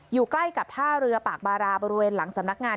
อยู่ใกล้กับท่าเรือปากบาราบริเวณหลังสำนักงาน